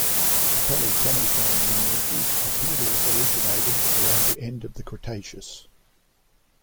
The Pelecaniform lineages appear to have originated around the end of the Cretaceous.